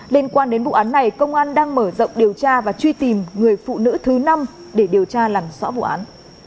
liên quan đến vụ án này công an đang mở rộng điều tra và truy tìm người phụ nữ thứ năm để điều tra làm rõ vụ án